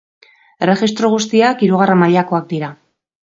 Erregistro guztiak hirugarren mailakoak dira.